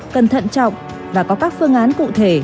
cần thận trọng và có các phương án cụ thể